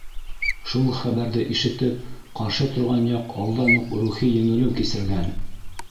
Шул хәбәрҙе ишетеп, ҡаршы торған яҡ алдан уҡ рухи еңелеү кисергән.